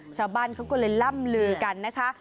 ชาวบ้านเขาก็เลยล่ำลือกันนะคะ